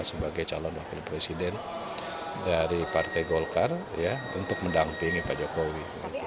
sebagai calon wakil presiden dari partai golkar untuk mendampingi pak jokowi